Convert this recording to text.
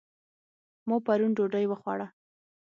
ما پرون ډوډۍ وخوړه